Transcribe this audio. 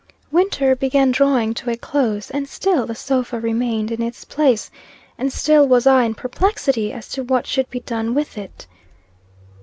Winter began drawing to a close, and still the sofa remained in its place, and still was I in perplexity as to what should be done with it.